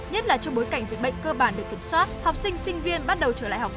nhất là trong bối cảnh dịch bệnh cơ bản được kiểm soát học sinh sinh viên bắt đầu trở lại học